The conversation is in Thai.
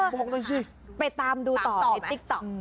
บอกหน่อยสิไปตามดูต่อในติ๊กต๊อก